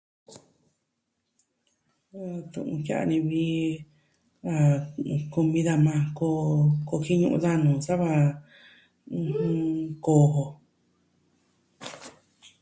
Tu'un jia'a ni vi a... kumi daja majan, koo... kojiñu daja nuu sava koo jo.